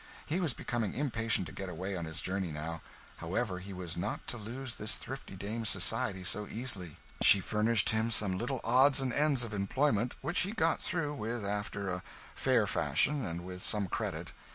He was becoming impatient to get away on his journey now; however, he was not to lose this thrifty dame's society so easily. She furnished him some little odds and ends of employment, which he got through with after a fair fashion and with some credit.